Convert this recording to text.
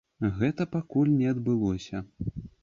Гэтага пакуль не адбылося.